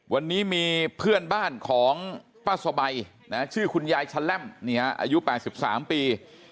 วันนี้มีเพื่อนบ้านของป้าสบายชื่อคุณยายชะแล่มอายุ๘๓ปี